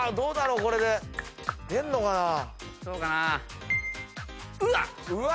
うわ！